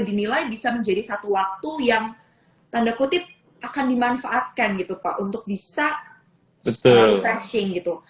dinilai bisa menjadi satu waktu yang tanda kutip akan dimanfaatkan gitu pak untuk bisa testing gitu